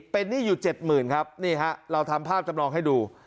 เป็นนี่อยู่เจ็ดหมื่นครับนี่ฮะเราทำภาพจำลองให้ดู